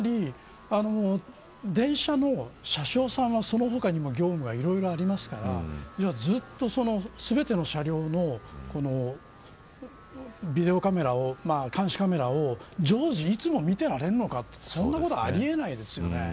つまり、電車の車掌さんはその他にも業務がいろいろありますからずっと全ての車両のビデオカメラを、監視カメラを常時、いつも見ていられるのかそんなことはありえないですよね。